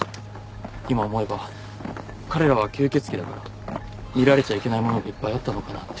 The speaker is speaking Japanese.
今思えば彼らは吸血鬼だから見られちゃいけないものがいっぱいあったのかなって。